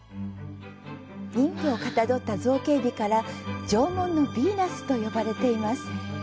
妊婦をかたどった造形美から「縄文のビーナス」と呼ばれています。